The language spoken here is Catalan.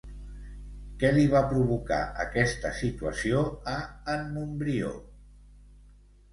Què li va provocar aquesta situació a en Montbrió?